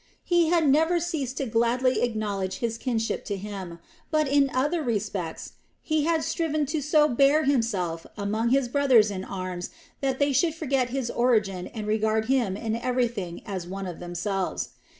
He had never ceased to gladly acknowledge his kinship to him, but in other respects he had striven to so bear himself among his brothers in arms that they should forget his origin and regard him in everything as one of themselves.